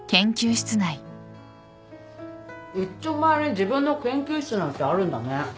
いっちょ前に自分の研究室なんてあるんだね。